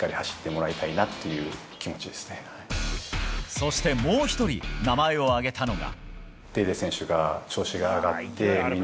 そして、もう１人名前を挙げたのが。